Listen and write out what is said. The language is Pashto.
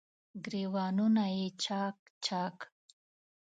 ګریوانونه یې چا ک، چا ک